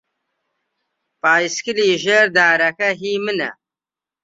پایسکلی ژێر دارەکە هیی منە.